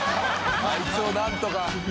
あいつを何とか。